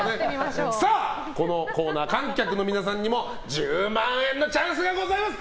さあ、このコーナー観客の皆さんにも１０万円のチャンスがございます。